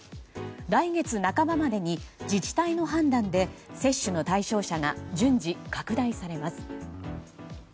来月半ばまでに自治体の判断で接種の対象者が順次、拡大されます。